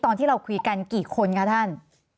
ตอนที่เราคุยกันกี่คนคะท่าน